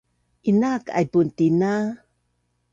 Inaak aipun tina